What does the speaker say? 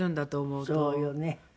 そうよね。